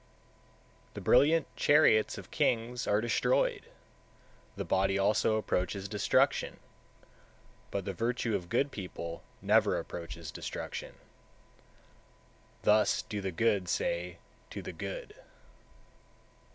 151. The brilliant chariots of kings are destroyed, the body also approaches destruction, but the virtue of good people never approaches destruction, thus do the good say to the good.